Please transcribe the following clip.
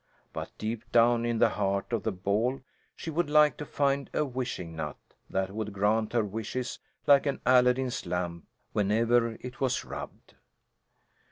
But deep down in the heart of the ball she would like to find a wishing nut, that would grant her wishes like an Aladdin's lamp whenever it was rubbed.